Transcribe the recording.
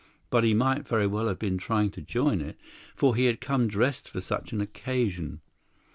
But he might very well have been trying to join it, for he had come dressed for such an occasion.